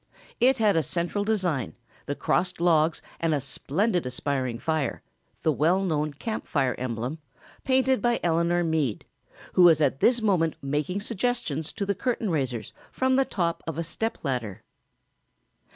It had a central design, the crossed logs and a splendid aspiring fire, the well known Camp Fire emblem, painted by Eleanor Meade, who was at this moment making suggestions to the curtain raisers from the top of a step ladder.